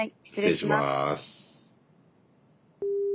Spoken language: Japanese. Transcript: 失礼します。